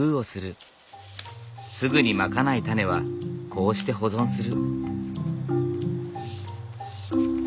すぐにまかないタネはこうして保存する。